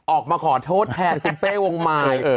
ออกมาขอโทษแทนคุณเป้วงมาย